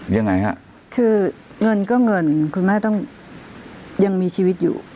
ยังไงฮะคือเงินก็เงินคุณแม่ต้องยังมีชีวิตอยู่